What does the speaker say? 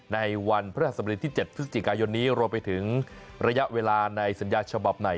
ในวันพระราชสมดีที่๗พฤศจิกายนนี้รวมไปถึงระยะเวลาในสัญญาฉบับไหน